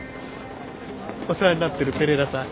お世話になってるペレラさん。